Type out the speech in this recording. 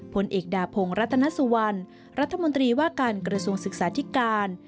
ผลเอกดาพงศ์รัตนสุวรรณรัฐมนตรีว่าการกระทรวงศึกษาธิการ